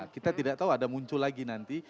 kita tidak tahu ada muncul lagi nanti